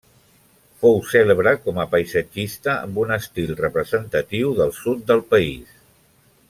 Fou cèlebre com a paisatgista amb un estil representatiu del sud del país.